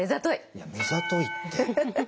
いや目ざといって。